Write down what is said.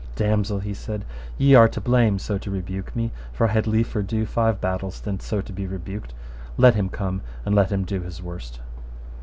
Damosel, he said, ye are to blame so to rebuke me, for I had liefer do five battles than so to be rebuked, let him come and then let him do his worst.